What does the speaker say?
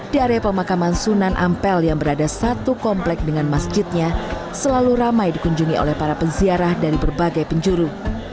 di area pemakaman sunan ampel yang berada satu komplek dengan masjidnya selalu ramai dikunjungi oleh para peziarah dari berbagai penjuru